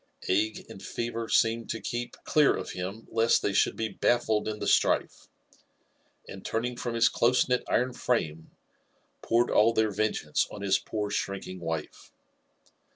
Ague and fever seemed to keep dear of him lest they should be baffled in the strife, and turning froih bfii cl6se*kntf iron frame, poured all their vengeatteeon his poor shrink ing wife.